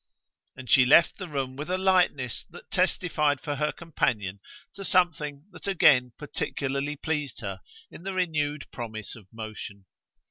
And she left the room with a lightness that testified for her companion to something that again particularly pleased her in the renewed promise of motion.